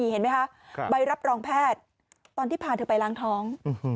เห็นไหมคะใบรับรองแพทย์ตอนที่พาเธอไปล้างท้อง